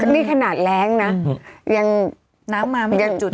นี่ขนาดแร้งนะยังน้ำมามาจุดหนึ่ง